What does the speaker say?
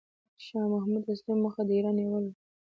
شاه محمود اصلي موخه د ایران نیول و.